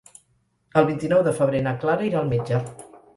El vint-i-nou de febrer na Clara irà al metge.